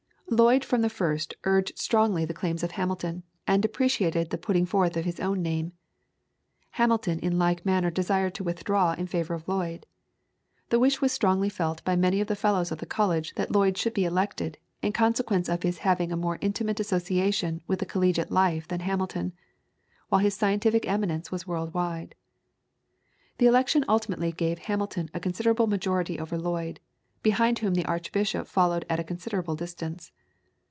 Lloyd from the first urged strongly the claims of Hamilton, and deprecated the putting forward of his own name. Hamilton in like manner desired to withdraw in favour of Lloyd. The wish was strongly felt by many of the Fellows of the College that Lloyd should be elected, in consequence of his having a more intimate association with collegiate life than Hamilton; while his scientific eminence was world wide. The election ultimately gave Hamilton a considerable majority over Lloyd, behind whom the Archbishop followed at a considerable distance.